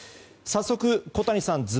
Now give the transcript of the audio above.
早速、小谷さん